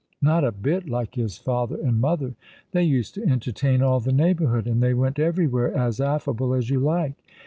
Not a bit like his father and mother. They used to entertain all the neighbourhood, and they went everywhere, as affable as you like.